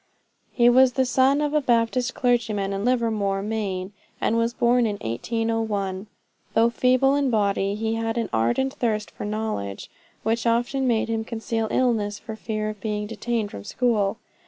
He was the son of a Baptist clergyman in Livermore, Maine, and was born in 1801. Though feeble in body, he had an ardent thirst for knowledge, which often made him conceal illness for fear of being detained from school.